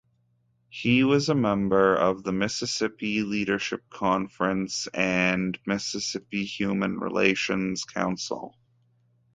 He was a member of the Mississippi Leadership Conference and Mississippi Human Relations Council.